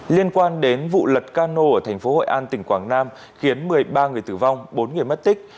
liên quan đến vụ lật cano ở thành phố hội an tỉnh quảng nam khiến một mươi ba người tử vong bốn người mất tích